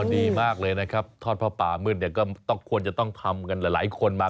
ดีมากเลยนะครับทอดผ้าป่ามืดเนี่ยก็ควรจะต้องทำกันหลายคนมา